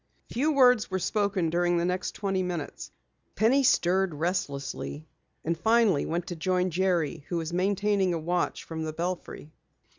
Few words were spoken during the next twenty minutes. Penny stirred restlessly, and finally went to join Jerry who was maintaining a watch from the belfry.